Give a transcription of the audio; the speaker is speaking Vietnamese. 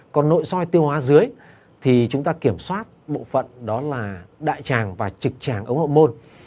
còn nội soi tiêu hóa dưới thì chúng ta kiểm soát một phần đó là đại tràng và trực tràng ống hộ môn